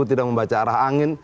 tidak membaca arah angin